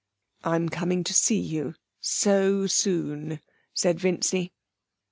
'I'm coming to see you so soon,' said Vincy.